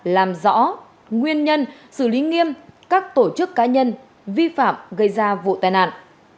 làm rõ nguyên nhân xử lý nghiêm các tổ chức cá nhân vi phạm gây ra vụ tai nạn